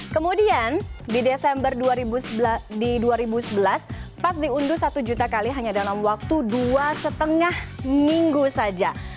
kemudian di desember di dua ribu sebelas pat diunduh satu juta kali hanya dalam waktu dua lima minggu saja